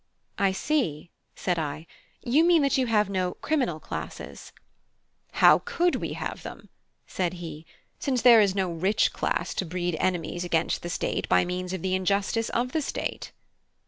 "I see," said I; "you mean that you have no 'criminal' classes." "How could we have them," said he, "since there is no rich class to breed enemies against the state by means of the injustice of the state?"